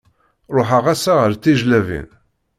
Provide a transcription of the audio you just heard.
Ruḥeɣ ass-a ar Tijellabin.